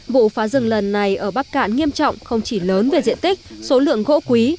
vụ phá rừng lần này ở bắc cạn nghiêm trọng không chỉ lớn về diện tích số lượng gỗ quý